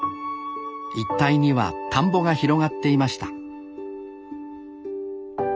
一帯には田んぼが広がっていました